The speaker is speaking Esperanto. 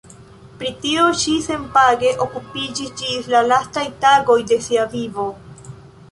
Pri tio ŝi senpage okupiĝis ĝis la lastaj tagoj de sia vivo.